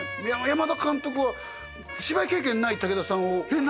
山田監督は芝居経験ない武田さんをえっ？